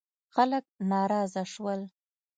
خلک ناراضه شول.